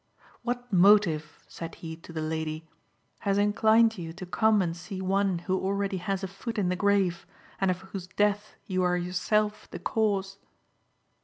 "What motive," said he to the lady, "has inclined you to come and see one who already has a foot in the grave, and of whose death you are yourself the cause